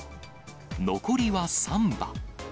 残りは３羽。